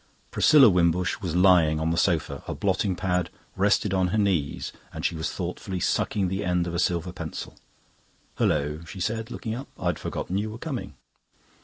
Priscilla Wimbush was lying on the sofa. A blotting pad rested on her knees and she was thoughtfully sucking the end of a silver pencil. "Hullo," she said, looking up. "I'd forgotten you were coming."